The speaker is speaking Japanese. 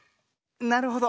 なるほど。